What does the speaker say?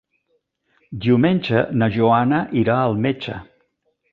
Diumenge na Joana irà al metge.